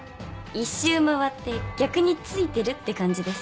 一周回って逆についてるって感じです。